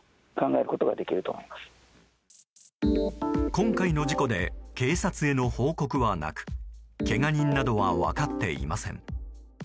今回の事故で警察への報告はなくけが人などは分かっていません。